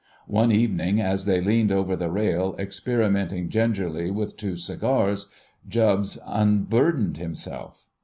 One evening, as they leaned over the rail experimenting gingerly with two cigars, Jubbs unburdened himself.